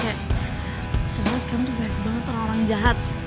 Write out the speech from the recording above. kek sebenernya sekarang tuh banyak banget orang orang jahat